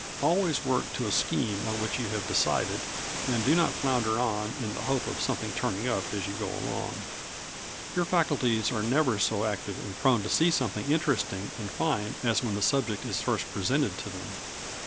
Always work to a scheme on which you have decided, and do not flounder on in the hope of something turning up as you go along. Your faculties are never so active and prone to see something interesting and fine as when the subject is first presented to them.